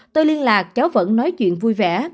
tôi liên lạc cháu vẫn nói chuyện vui vẻ